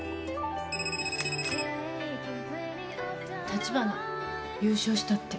立花優勝したって。